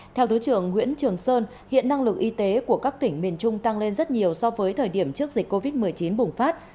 theo thứ trưởng nguyễn trường sơn hiện năng lực y tế của các tỉnh miền trung tăng lên rất nhiều so với thời điểm trước dịch covid một mươi chín bùng phát